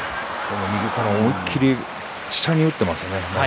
思い切り下に打っていますね。